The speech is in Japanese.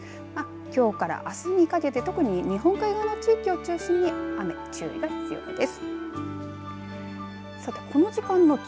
きょうからあすにかけて特に日本海側の地域を中心に雨、注意が必要です。